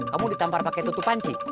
kamu ditampar pakai tutup panci